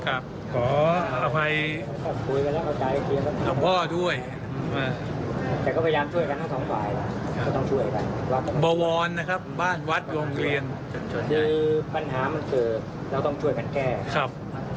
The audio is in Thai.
คุณผู้ชมอย่างไรครับ